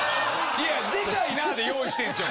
いや「デカいな」で用意してんっすよ。